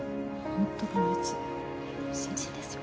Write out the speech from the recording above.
ホントがめつい新人ですよ